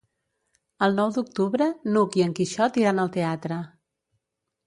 El nou d'octubre n'Hug i en Quixot iran al teatre.